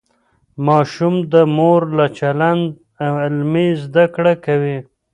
ماشوم د مور له چلند عملي زده کړه کوي.